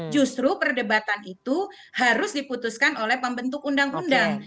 justru perdebatan itu harus diputuskan oleh pembentuk undang undang